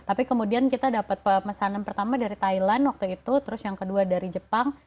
tapi kemudian kita dapat pemesanan pertama dari thailand waktu itu terus yang kedua dari jepang